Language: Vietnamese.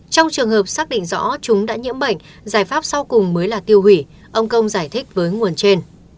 trong trường hợp xác định rõ chúng đã nhiễm bệnh giải pháp sau cùng mới là tiêu hủy ông công giải thích với nguồn trên